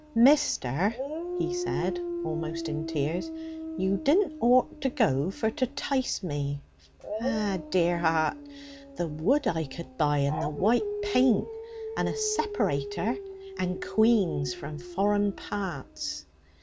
'Mister,' he said, almost in tears, 'you didn't ought to go for to 'tice me! Eh! dear 'eart, the wood I could buy, and the white paint and a separator and queens from foreign parts!'